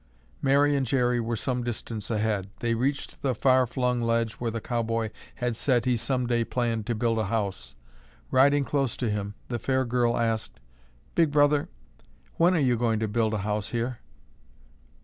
Mary and Jerry were some distance ahead. They reached the far flung ledge where the cowboy had said he someday planned to build a house. Riding close to him, the fair girl asked, "Big Brother, when are you going to build a house here?"